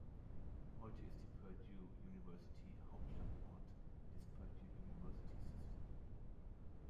Heute ist die Purdue University Hauptstandort des Purdue University System.